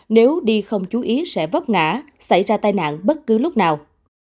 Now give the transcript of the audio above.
nếu đi không chú ý sẽ vấp ngã xảy ra tai nạn bất cứ lúc nào